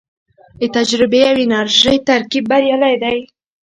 د تجربې او انرژۍ ترکیب بریالی دی